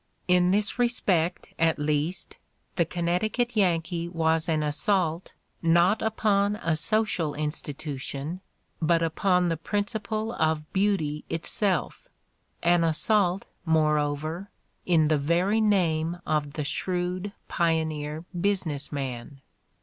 In this respect, at least, the "Connecticut Yankee" was an as sault, not upon a social institution, but upon the princi ple of beauty itself, an assault, moreover, in the very name of the shrewd pioneer business man.